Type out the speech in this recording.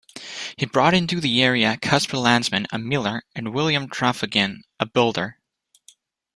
He brought into the area Casper Landsman, a miller, and William Traphagen, a builder.